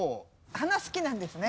花好きなんですね。